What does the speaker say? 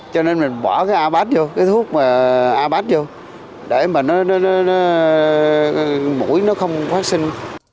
cho nên mình bỏ cái abad vô cái thuốc abad vô để mà mũi nó không phát sinh